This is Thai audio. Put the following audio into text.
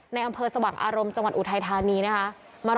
ในอำเภอสว่างอารมณ์จังหวัดอุทัยธานีนะคะ